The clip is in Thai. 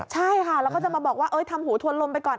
ใช่ค่ะแล้วก็จะมาบอกว่าทำหูทวนลมไปก่อน